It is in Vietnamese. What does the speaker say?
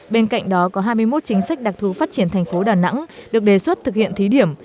bên cạnh đó có hai mươi một chính sách đặc thù phát triển thành phố đà nẵng được đề xuất thực hiện thí điểm